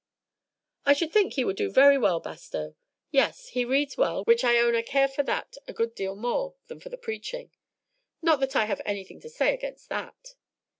"I should think he would do very well, Bastow. Yes, he reads well, which I own I care for that a good deal more than for the preaching; not that I have anything to say against that.